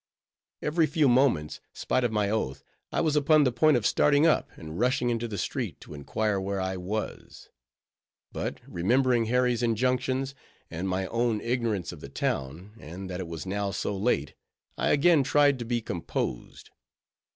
Every few moments, spite of my oath, I was upon the point of starting up, and rushing into the street, to inquire where I was; but remembering Harry's injunctions, and my own ignorance of the town, and that it was now so late, I again tried to be composed.